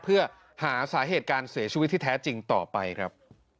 เพื่อหาสาเหตุการเสียชีวิตที่แท้จริงต่อไปครับ